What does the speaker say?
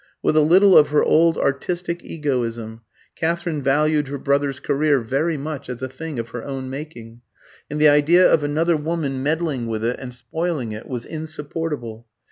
With a little of her old artistic egoism, Katherine valued her brother's career very much as a thing of her own making, and the idea of another woman meddling with it and spoiling it was insupportable.